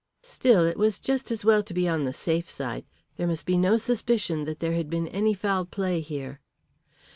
Still, it was just as well to be on the safe side. There must be no suspicion that there had been any foul play here.